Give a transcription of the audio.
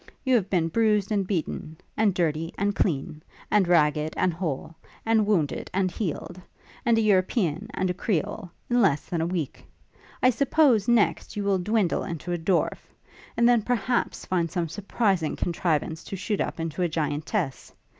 You have been bruised and beaten; and dirty and clean; and ragged and whole; and wounded and healed; and a European and a Creole, in less than a week. I suppose, next, you will dwindle into a dwarf; and then, perhaps, find some surprising contrivance to shoot up into a giantess.